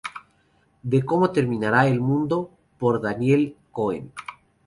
De Cómo terminará el mundo, por Daniel Cohen.